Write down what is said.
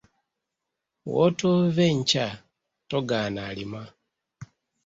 Wootoove nkya togaana alima.